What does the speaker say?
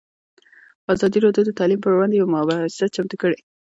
ازادي راډیو د تعلیم پر وړاندې یوه مباحثه چمتو کړې.